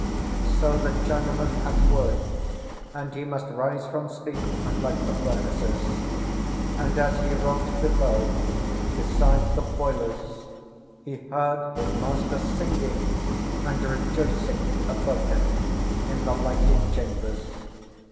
So the Chinaman had word, and he must rise from sleep and light the furnaces; and as he wrought below, beside the boilers, he heard his master singing and rejoicing above him in the lighted chambers.